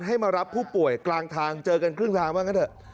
ให้มารับผู้ป่วยกลางทางเจอกันครึ่งทางว่างั้นเถอะ